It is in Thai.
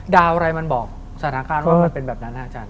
ดาวอะไรมันบอกศาลิกาวันว่ามันเป็นแบบนั้นน่าอาจารย์